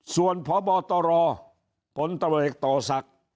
ส่วนพบตรผลตศตศ